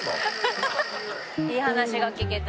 いい話が聞けた。